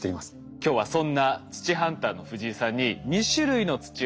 今日はそんな土ハンターの藤井さんに２種類の土を持ってきて頂きました。